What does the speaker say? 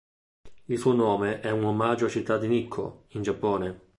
Il suo nome è un omaggio alla città di Nikkō, in Giappone.